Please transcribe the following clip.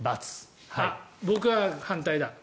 僕は反対だ。